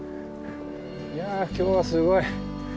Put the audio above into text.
いや今日はすごい。